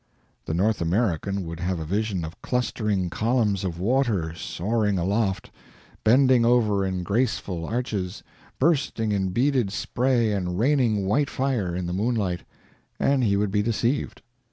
the North American would have a vision of clustering columns of water soaring aloft, bending over in graceful arches, bursting in beaded spray and raining white fire in the moonlight and he would be deceived.